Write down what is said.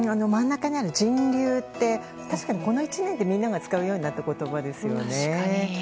人流って、確かにこの１年でみんなが使うようになった言葉ですよね。